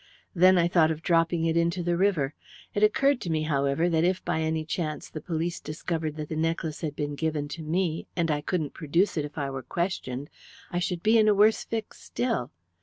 Then I thought of dropping it into the river. It occurred to me, however, that if by any chance the police discovered that the necklace had been given to me, and I couldn't produce it if I were questioned, I should be in a worse fix still.